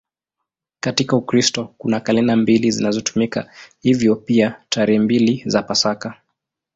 Katika Ukristo kuna kalenda mbili zinazotumika, hivyo pia tarehe mbili za Pasaka.